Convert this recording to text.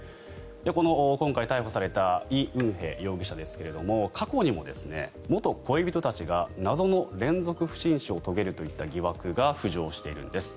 この今回逮捕されたイ・ウンヘ容疑者ですが過去にも元恋人たちが謎の連続不審死を遂げるといった疑惑が浮上しているんです。